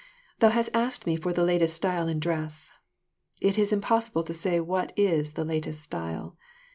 Thou hast asked me for the latest style in dress. It is impossible to say what is the latest style.